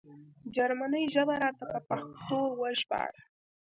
جرمنۍ ژبه راته په پښتو وژباړه